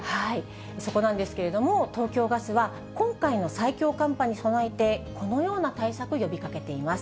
そこなんですけれども、東京ガスは、今回の最強寒波に備えて、このような対策、呼びかけています。